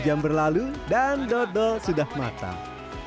dua jam berlalu dan dodol sudah matang